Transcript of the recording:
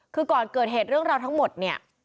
คือก่อนเกิดเหตุเรื่องราวทั้งหมดเนี่ย